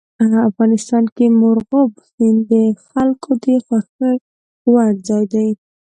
افغانستان کې مورغاب سیند د خلکو د خوښې وړ ځای دی.